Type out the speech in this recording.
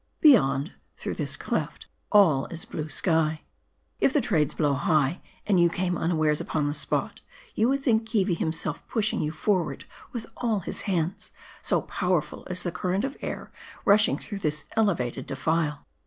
Beyond, through this cleft, aH is blue sky. If the Trades blow high, and you came unawares upon the spot, you would think Keevi himself pushing you forward with all his hands ; so powerful is the current of air rushing through this elevated defile.